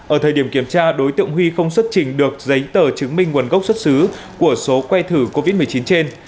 ở thời điểm kiểm tra đối tượng huy không xuất trình được giấy tờ chứng minh nguồn gốc xuất xứ của số que thử covid một mươi chín trên